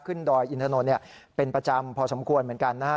ดอยอินถนนเป็นประจำพอสมควรเหมือนกันนะฮะ